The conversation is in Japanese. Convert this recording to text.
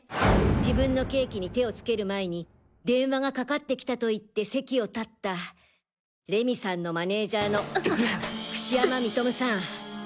自分のケーキに手をつける前に電話がかかってきたと言って席を立った礼美さんのマネージャーの櫛山認さん！